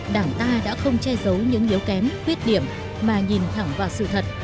đảng ta đã không che giấu những yếu kém khuyết điểm mà nhìn thẳng vào sự thật